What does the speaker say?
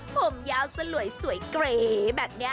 ผมยาวสลวยสวยเกรแบบนี้